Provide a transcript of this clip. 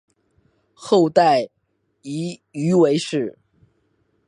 后代以鱼为氏。